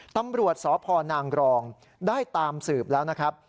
ตำรวจสพนางกรองได้ตามสืบแล้วนะครับ